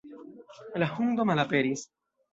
La hundo malaperis.